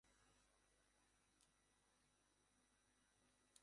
দেশি-বিদেশি প্রযুক্তি বিশেষজ্ঞরা মোবাইল অ্যাপলিকেশনের বিভিন্ন বিষয় নিয়ে আলোচনা করবেন এতে।